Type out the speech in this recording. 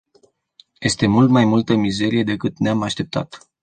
Este mult mai multă mizerie decât ne-am așteptat.